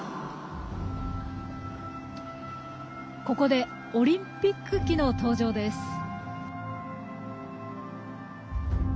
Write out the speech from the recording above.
ここでオリンピック旗の登場です。